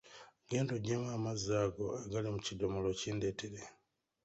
Genda oggyemu amazzi ago agali mu kidomola okindeetere.